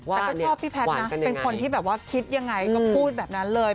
แต่ก็ชอบพี่แพทย์นะเป็นคนที่แบบว่าคิดยังไงก็พูดแบบนั้นเลย